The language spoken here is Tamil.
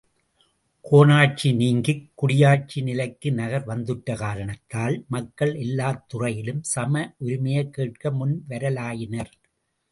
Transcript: கோனாட்சி நீங்கிக் குடியாட்சி நிலைக்கு நகர் வந்துற்ற காரணத்தால் மக்கள் எல்லாத்துறையிலும், சம உரிமையைக்கேட்க முன் வரலாயினர்.